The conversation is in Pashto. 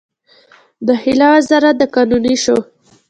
داخله وزارت د قانوني شو.